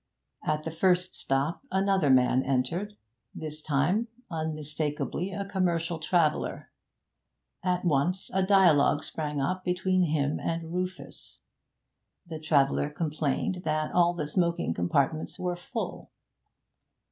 At the first stop another man entered. This time, unmistakably, a commercial traveller. At once a dialogue sprang up between him and Rufus. The traveller complained that all the smoking compartments were full.